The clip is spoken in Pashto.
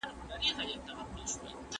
زه هره ورځ سبزیجات وچوم؟